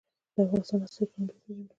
د افغانستان اساسي قانون به وپېژنو.